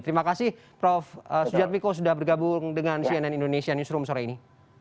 terima kasih prof sujad miko sudah bergabung dengan cnn indonesian newsroom sore ini